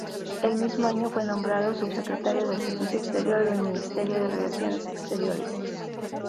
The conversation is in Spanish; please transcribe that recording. El mismo año fue nombrado Subsecretario del Servicio Exterior del Ministerio de Relaciones Exteriores.